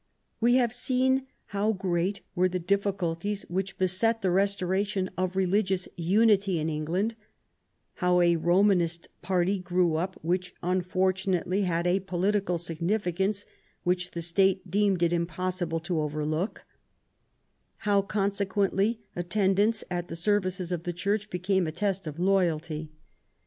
We have seen how great were the difficulties which beset the restoration of religious unity in England, how a Romanist party grew up which unfortunately had a political significance which the State deemed it impossible to overlook, how consequently attendance at the services of the Church became a test of loyalty.